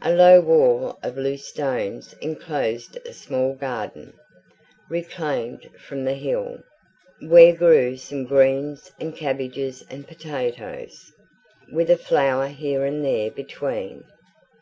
A low wall of loose stones enclosed a small garden, reclaimed from the hill, where grew some greens and cabbages and potatoes, with a flower here and there between.